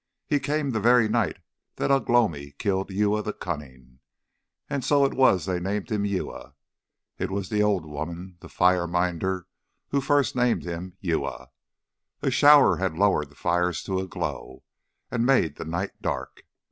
He came the very night that Ugh lomi killed Uya the Cunning, and so it was they named him Uya. It was the old woman, the fire minder, who first named him Uya. A shower had lowered the fires to a glow, and made the night dark.